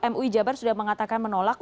mui jabar sudah mengatakan menolak